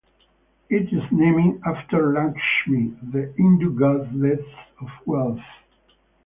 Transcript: It is named after Lakshmi, the Hindu goddess of wealth.